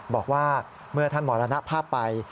บอกว่าเมื่อท่านมรณภาพไป